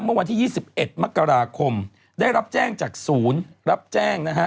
เมื่อวันที่๒๑มกราคมได้รับแจ้งจากศูนย์รับแจ้งนะฮะ